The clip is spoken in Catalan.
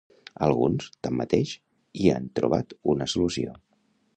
Alguns, tanmateix, hi han trobat una solució.